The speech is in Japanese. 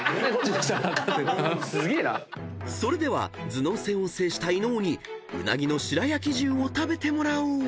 ［それでは頭脳戦を制した伊野尾にうなぎの白焼重を食べてもらおう］